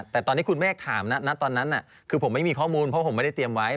แต่ตอนนี้คุณเมฆถามนะตอนนั้นคือผมไม่มีข้อมูลเพราะผมไม่ได้เตรียมไว้